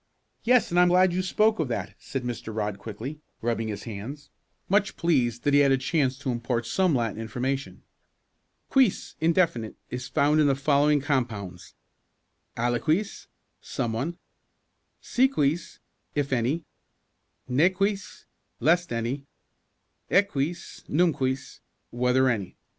"Yes, and I am glad you spoke of that," said Mr. Rodd quickly, rubbing his hands, much pleased that he had a chance to impart some Latin information. "Quis indefinite is found in the following compounds: aliquis someone; si quis, if any; ne quis, lest any; ecquis, num quis, whether any.